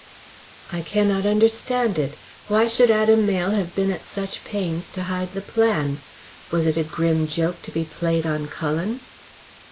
"I cannot understand it. Why should Adam Mayle have been at such pains to hide the plan? Was it a grim joke to be played on Cullen?"